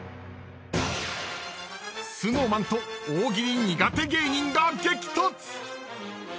［ＳｎｏｗＭａｎと大喜利苦手芸人が激突！］